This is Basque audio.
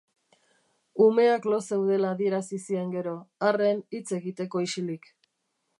Umeak lo zeudela adierazi zien gero, arren hitz egiteko isilik.